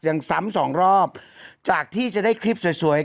ซ้ำสองรอบจากที่จะได้คลิปสวยสวย